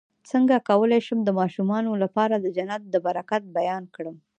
څنګه کولی شم د ماشومانو لپاره د جنت د برکت بیان کړم